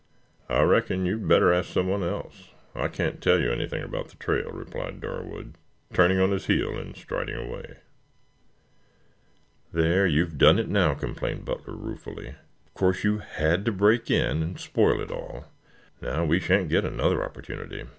"I reckon you would better ask someone else. I can't tell you anything about the trail," replied Darwood, turning on his heel and striding away. "There, you've done it now," complained Butler ruefully. "Of course you had to break in and spoil it all. Now we shan't get another opportunity. Mr.